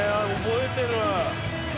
覚えてるわ！